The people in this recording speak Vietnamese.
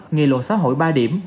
nghị luận xã hội ba điểm